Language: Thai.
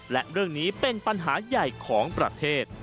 และเรื่องนี้เป็นปัญหาใหญ่ของประเทศ